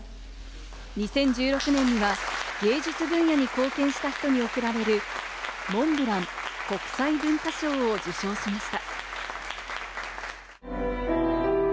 ２０１６年には芸術分野に貢献した人に贈られる、モンブラン国際文化賞を受賞しました。